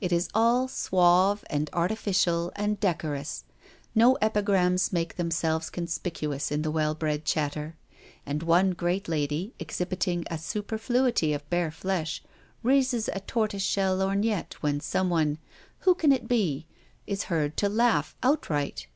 It is all suave and artificial and decorous. No epi grams make themselves conspicuous in the well bred chatter, and one great lady, exhibit ing a superfluity of bare flesh, raises a tor toise shell lorgnette when someone — who can it be? — is heard to laugh outright.